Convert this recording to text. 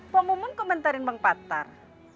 pak mumun komentarin bang patar